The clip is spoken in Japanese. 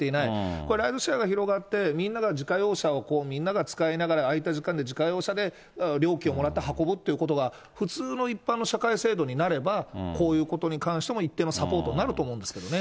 これ、ライドシェアが広がって、みんなが自家用車をみんなが使いながら空いた時間で、自家用車で料金をもらって運ぶってことが、普通の一般の社会制度になれば、こういうことに関しても、一定のサポートになると思うんですけどね。